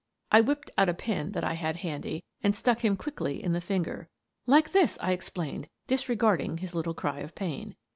I whipped out a pin that I had handy, and stuck him quickly in the finger. "Like this," I explained, disregarding his little cry of pain.